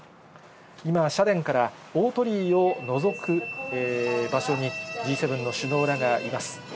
今、社殿から大鳥居をのぞく場所に、Ｇ７の首脳らがいます。